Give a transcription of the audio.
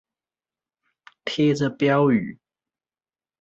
貼著標語